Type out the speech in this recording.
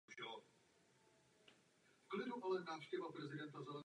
Kvůli tomu zaniknou ještě další malí a střední pěstitelé bavlny.